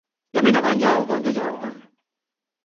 Ja minä vain jauhoin ja jauhoin.